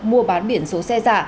mua bán biển số xe giả